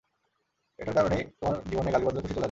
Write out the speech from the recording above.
এটার কারনেই তোমার জীবনে গালির বদলে খুশি চলে আসবে।